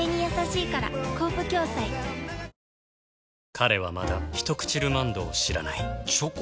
彼はまだ「ひとくちルマンド」を知らないチョコ？